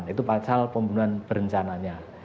itu pasal pembunuhan berencananya